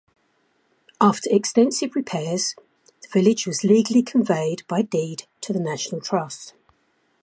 After extensive repairs, the village was legally conveyed by deed to the National Trust.